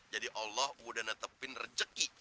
jadi allah udah netepin rejeki